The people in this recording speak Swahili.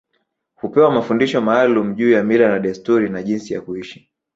Hupewa mafundisho maalum juu ya mila na desturi na jinsi ya kuishi